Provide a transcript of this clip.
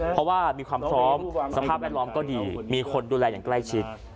เพราะว่ามีความซ้อมสภาพแวดล้อมก็ดีมีคนดูแลอย่างใกล้ชิด